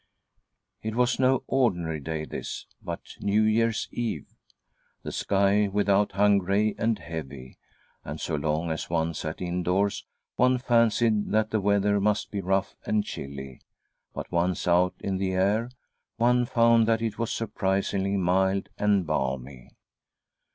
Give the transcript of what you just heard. It was no ordinary day, this, but New Year's Eve ! The sky without hung grey and heavy, and so long as one sat indoors one fancied that the weather must be rough and chilly, but, once out in the air, one found that it was surprisingly mild and balmy.